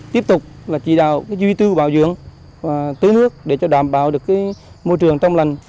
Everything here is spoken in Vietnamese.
tiếp tục chỉ đạo duy tư bảo dưỡng và tưới nước để đảm bảo môi trường trong lần